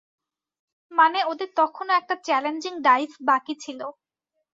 মানে, ওদের তখনও একটা চ্যালেঞ্জিং ডাইভ বাকি ছিল।